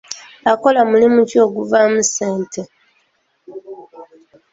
Akola mulimu ki oguvaamu ssente?